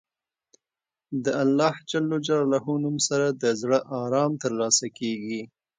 د الله نوم سره د زړه ارام ترلاسه کېږي.